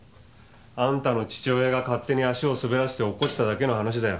あんたの父親が勝手に足を滑らせて落っこちただけの話だよ。